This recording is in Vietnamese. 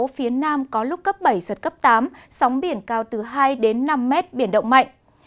phía nam có lúc cấp bảy giật cấp tám sóng biển cao từ hai đến năm mét biển động mạnh